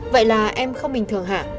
vậy là em không bình thường hả